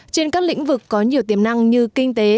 trên các lĩnh vực có nhiều tiềm năng như kinh tế